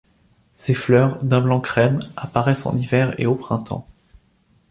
Ses fleurs, d'un blanc crème, apparaissent en hiver et au printemps.